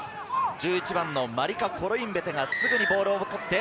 １１番のマリカ・コロインベテがボールを持って。